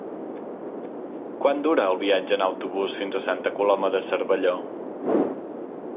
Quant dura el viatge en autobús fins a Santa Coloma de Cervelló?